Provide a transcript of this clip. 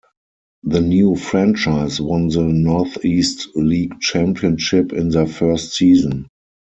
The new franchise won the Northeast League championship in their first season.